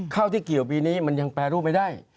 ข้าวที่เกี่ยวปีนี้มันยังแปรรูปไม่ได้